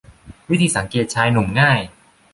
วิธีสังเกตชายหนุ่มง่าย